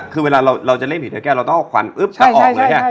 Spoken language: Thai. คือเวลาเราจะเล่นผิดเทียดแก้วเราต้องเอาควันอึ๊บต้องออกเลยใช่ไหม